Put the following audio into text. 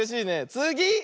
つぎ！